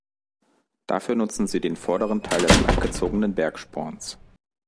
Dafür nutzen sie den vorderen Teil des langgezogenen Bergsporns.